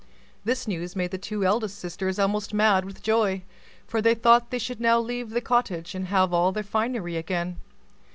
This news made the two eldest sisters almost mad with joy; for they thought they should now leave the cottage, and have all their finery again.